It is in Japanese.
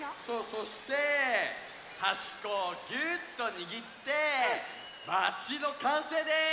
そしてはしっこをぎゅっとにぎってばちのかんせいです！